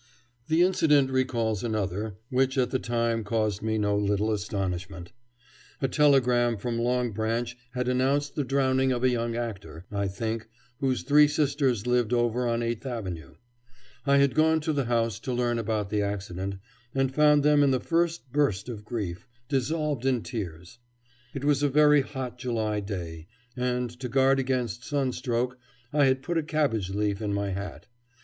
The incident recalls another, which at the time caused me no little astonishment. A telegram from Long Branch had announced the drowning of a young actor, I think, whose three sisters lived over on Eighth Avenue. I had gone to the house to learn about the accident, and found them in the first burst of grief, dissolved in tears. It was a very hot July day, and to guard against sunstroke I had put a cabbage leaf in my hat.